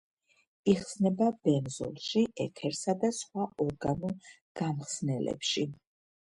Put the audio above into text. იხსნება ბენზოლში, ეთერსა და სხვა ორგანულ გამხსნელებში.